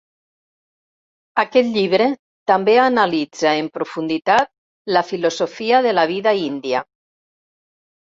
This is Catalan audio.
Aquest llibre també analitza en profunditat la filosofia de la vida índia.